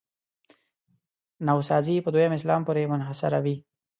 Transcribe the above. نوسازي په دویم اسلام پورې منحصروي.